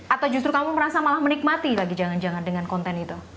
atau justru kamu merasa malah menikmati lagi jangan jangan dengan konten itu